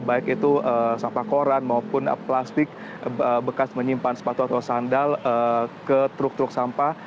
baik itu sampah koran maupun plastik bekas menyimpan sepatu atau sandal ke truk truk sampah